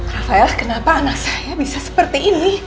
rafael kenapa anak saya bisa seperti ini